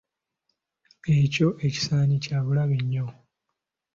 Ekyo ekisaanyi kya bulabe nnyo.